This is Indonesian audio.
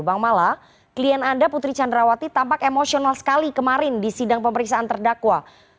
bang mala klien anda putri candrawati tampak emosional sekali kemarin di sidang pemeriksaan terdakwa